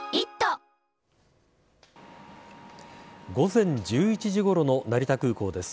午前１１時ごろの成田空港です。